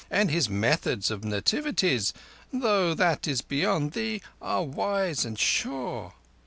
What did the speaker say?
"And his methods of nativities, though that is beyond thee, are wise and sure."